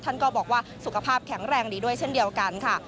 ท่านก็บอกว่าสุขภาพแข็งแรงดีด้วยเช่นเดียวกันค่ะ